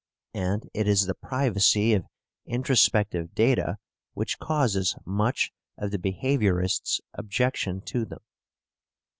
And it is the privacy of introspective data which causes much of the behaviourists' objection to them.